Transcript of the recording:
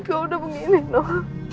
kalau udah begini noh